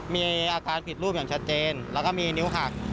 มีอาการผิดรูปอย่างชัดเจนแล้วก็มีนิ้วหัก